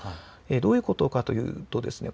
どういうことかというとですね